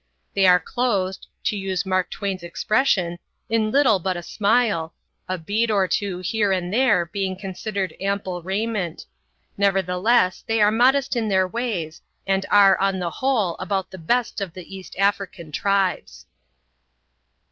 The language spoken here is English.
They are clothed (to use Mark Twain's expression) in little but a smile, a bead or two here and there being considered ample raiment; nevertheless they are modest in their ways and are on the whole about the best of the East African tribes.